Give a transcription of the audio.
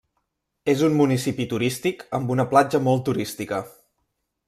És un municipi turístic amb una platja molt turística.